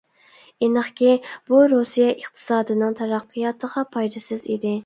ئېنىقكى، بۇ رۇسىيە ئىقتىسادىنىڭ تەرەققىياتىغا پايدىسىز ئىدى.